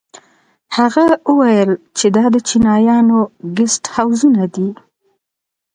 هغه وويل چې دا د چينايانو ګسټ هوزونه دي.